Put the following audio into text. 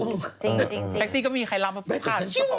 จริงแท็กซี่ก็ไม่มีใครรับเพราะพูดผ่าน